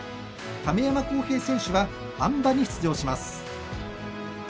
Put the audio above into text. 亀山耕平選手はあん馬に出場します。